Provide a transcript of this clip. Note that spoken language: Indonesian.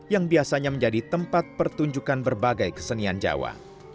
yang biasanya menjadi tempat pertunjukan berbagai kesenian jawa